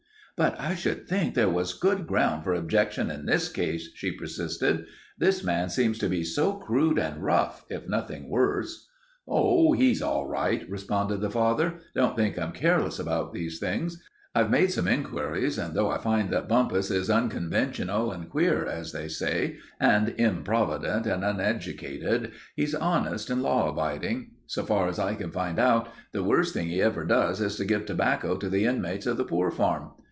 "But I should think there was good ground for objection in this case," she persisted. "This man seems to be so crude and rough, if nothing worse." "Oh, he's all right," responded the father. "Don't think I'm careless about these things. I've made some inquiries, and though I find that Bumpus is unconventional and queer, as they say, and improvident and uneducated, he's honest and law abiding. So far as I can find out, the worst thing he ever does is to give tobacco to the inmates of the Poor Farm.